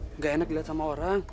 tidak enak dilihat sama orang